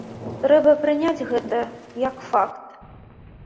Трэба прыняць гэта, як факт.